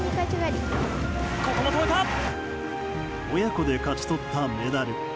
親子で勝ち取ったメダル。